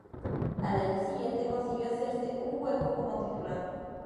Al año siguiente consiguió hacerse un hueco como titular.